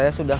ya well sih